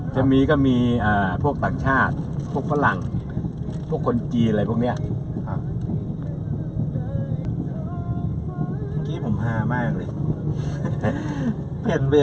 จะมีก็มีพวกต่างชาติพวกฝรั่งพวกคนจีนอะไรพวกนี้นะครับ